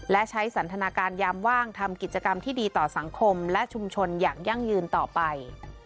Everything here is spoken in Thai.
และใช้สันทนาการยามว่างทำกิจกรรมที่ดีต่อสังคมและชุมชนอย่างยั่งยืนต่อไป